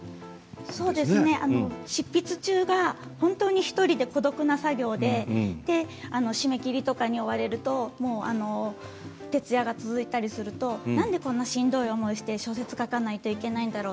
執筆中は本当に１人で孤独な作業で締め切りとかに追われると徹夜が続いたりするとなんでこんなしんどい思いをして小説を書かないといけないんだろう